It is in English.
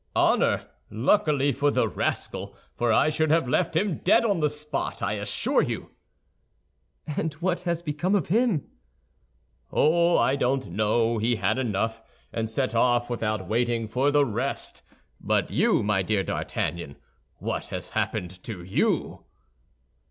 "Honor! Luckily for the rascal, for I should have left him dead on the spot, I assure you." "And what has became of him?" "Oh, I don't know; he had enough, and set off without waiting for the rest. But you, my dear D'Artagnan, what has happened to you?"